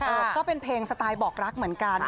ก็เป็นเพลงสไตล์บอกรักเหมือนกัน